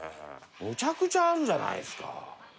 むちゃくちゃあるじゃないですか。